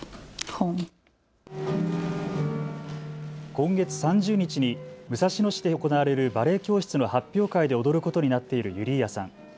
今月３０日に武蔵野市で行われるバレエ教室の発表会で踊ることになっているユリーアさん。